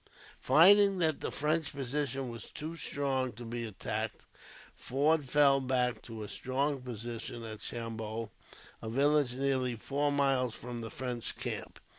Finding that the French position was too strong to be attacked, Forde fell back to a strong position at Chambol, a village nearly four miles from the French camp.